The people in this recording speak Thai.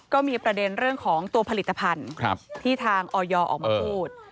ก็มีประเด็นเรื่องของตัวผลิตภัณฑ์ที่ทางออยออกมาพูด